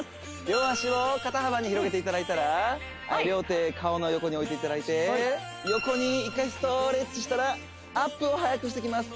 両脚を肩幅に広げていただいたら両手顔の横に置いていただいて横に１回ストレッチしたらアップを速くしていきます